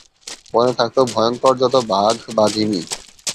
বনে থাকতো ভয়ঙ্কর যত বাঘ-বাঘিনী।